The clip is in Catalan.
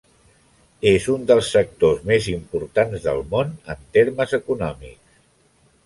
És un dels sectors més importants del món en termes econòmics.